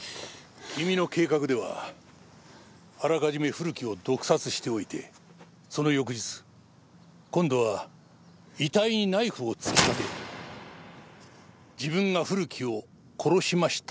君の計画ではあらかじめ古木を毒殺しておいてその翌日今度は遺体にナイフを突き立て自分が古木を殺しましたと自首をする。